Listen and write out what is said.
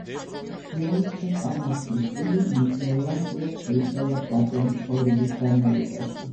დიალოგთა წარმართვის სტილი მნიშვნელოვანწილად შეიცვალა პლატონის ცხოვრების განმავლობაში.